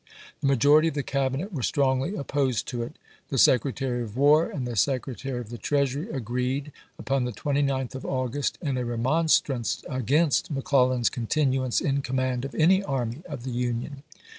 The majority of the Cabi net were strongly opposed to it. The Secretary of War and the Secretary of the Treasury agreed, upon the 29th of August, in a remonstrance against McClellan's continuance in command of any army of the Union.